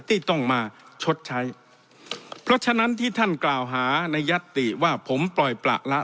ที่ต้องมาชดใช้เพราะฉะนั้นที่ท่านกล่าวหาในยัตติว่าผมปล่อยประละ